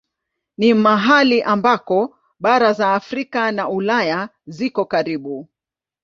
Ni mahali ambako bara za Afrika na Ulaya ziko karibu.